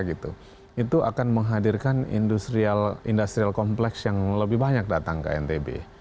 itu akan menghadirkan industrial kompleks yang lebih banyak datang ke ntb